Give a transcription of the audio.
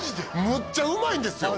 むっちゃうまいんですよ